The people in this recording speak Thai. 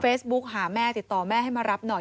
เฟซบุ๊กหาแม่ติดต่อแม่ให้มารับหน่อย